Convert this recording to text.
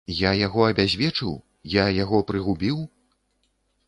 Я яго абязвечыў, я яго прыгубіў?